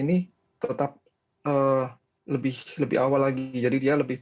ini tetap lebih awal lagi jadi dia lebih